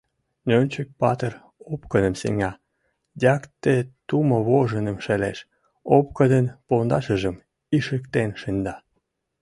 Нӧнчык-патыр Опкыным сеҥа, якте тумо вожыным шелеш, Опкынын пондашыжым ишыктен шында.